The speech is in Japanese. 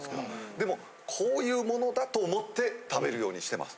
でもこういうものだと思って食べるようにしてます。